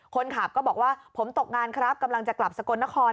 คนขับก็บอกว่าผมตกงานครับกำลังจะกลับสกลนคร